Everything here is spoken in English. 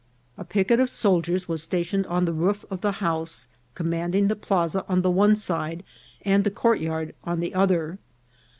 A picket of soldiers was sta tioned on the roof of the house, commanding the plaza on the one side and the courtyard on the other.